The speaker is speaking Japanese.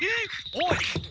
おい。